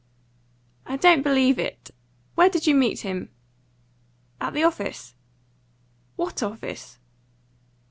"I don't believe it. Where did you meet him?" "At the office." "What office?"